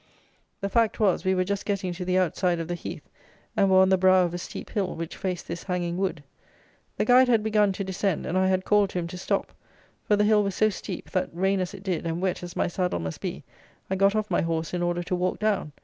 The fact was, we were just getting to the outside of the heath, and were on the brow of a steep hill, which faced this hanging wood. The guide had begun to descend, and I had called to him to stop; for the hill was so steep, that, rain as it did and wet as my saddle must be, I got off my horse in order to walk down.